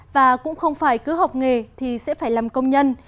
và cũng không phải cứ học nghề thì sẽ phải làm công nhân